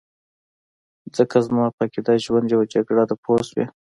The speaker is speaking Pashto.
ځکه زما په عقیده ژوند یو جګړه ده پوه شوې!.